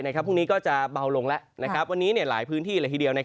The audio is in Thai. พรุ่งนี้ก็จะเบาลงแล้ววันนี้หลายพื้นที่เลยทีเดียว